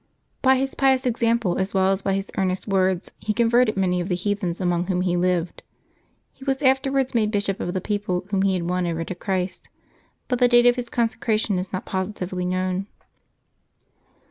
By his pious example as well as by his earnest words, he converted many of the heathens among whom he lived. He was afterwards made bishop of the people whom he had won over to Christ, but the date of his consecration is not positively kno\vn.